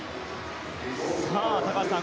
高橋さん